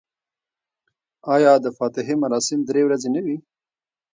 آیا د فاتحې مراسم درې ورځې نه وي؟